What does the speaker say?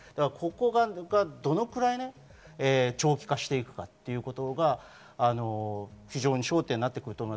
ここがどのくらい長期化していくかということが非常に焦点になってくる。